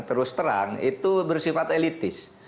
terus terang itu bersifat elitis